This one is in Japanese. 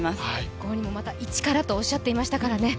ご本人もまた一からとおっしゃっていましたからね。